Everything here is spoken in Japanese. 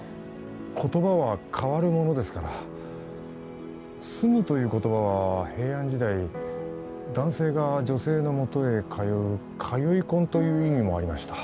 言葉は変わるものですから「住む」という言葉は平安時代男性が女性のもとへ通う「通い婚」という意味もありました